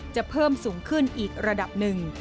เพิ่มสูงขึ้นอีกระดับหนึ่ง